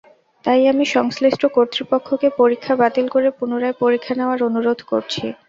তাই আমি সংশ্লিষ্ট কর্তৃপক্ষকে পরীক্ষা বাতিল করে পুনরায় পরীক্ষা নেওয়ার অনুরোধ করছি।